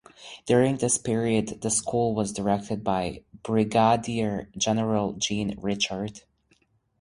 During this period the school was directed by Brigadier General Jean Richard.